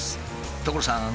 所さん！